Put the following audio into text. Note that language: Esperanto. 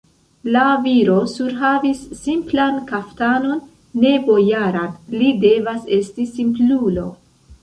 La viro surhavis simplan kaftanon, ne bojaran, li devas esti simplulo!